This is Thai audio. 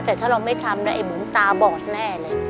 แต่ถ้าเราไม่ทำนะไอ้เหมือนตาบอดแน่เลย